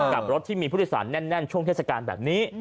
กับรถที่มีผู้โดยสารแน่นช่วงเทศกาลแบบนี้